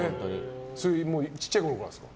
ちっちゃいころからですか？